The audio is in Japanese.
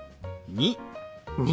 ２。